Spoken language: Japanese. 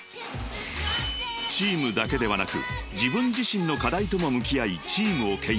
［チームだけではなく自分自身の課題とも向き合いチームをけん引］